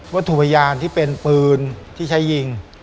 ถูกพยานที่เป็นปืนที่ใช้ยิง